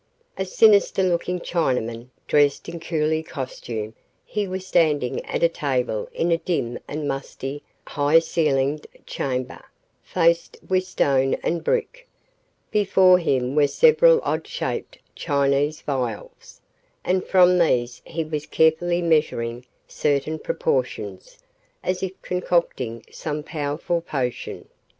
A sinister looking Chinaman, dressed in coolie costume, he was standing at a table in a dim and musty, high ceilinged chamber, faced with stone and brick. Before him were several odd shaped Chinese vials, and from these he was carefully measuring certain proportions, as if concocting some powerful potion.